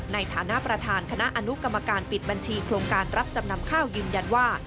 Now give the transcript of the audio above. ในฐานะประธานคณะอนุกรรมการปิดบัญชีโครงการรับจำนำข้าวยืนยันว่า